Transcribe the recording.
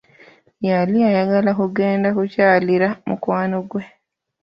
Yali ayagala kugenda kukyalira mukwano gwe.